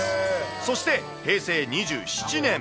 そして平成２７年。